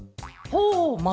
ほうまず？